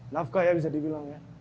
nafkah ya bisa dibilang ya